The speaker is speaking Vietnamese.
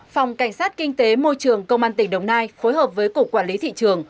phòng cảnh sát kinh tế môi trường công an tỉnh đồng nai phối hợp với cục quản lý thị trường